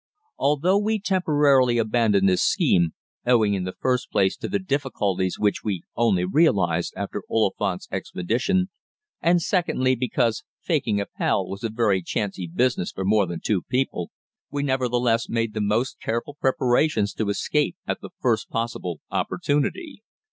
Although we temporarily abandoned this scheme, owing in the first place to the difficulties which we only realized after Oliphant's expedition, and secondly because "faking" Appell was a very chancy business for more than two people, we nevertheless made the most careful preparations to escape at the first possible opportunity.